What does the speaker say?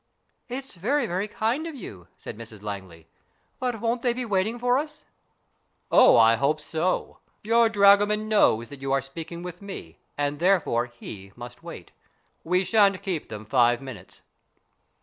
" It's very, very kind of you," said Mrs Langley. " But won't they be waiting for us ?" "Oh, I hope so. Your dragoman knows that you are speaking with me, and therefore he must wait. We shan't keep them five minutes."